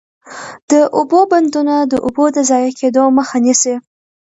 د اوبو بندونه د اوبو د ضایع کیدو مخه نیسي.